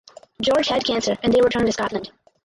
George had cancer and they returned to Scotland.